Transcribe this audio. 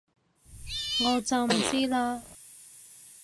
我就唔知喇